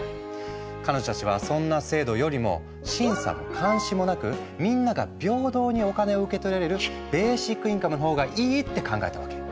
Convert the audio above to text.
彼女たちはそんな制度よりも審査も監視もなくみんなが平等にお金を受け取れるベーシックインカムの方がいいって考えたわけ。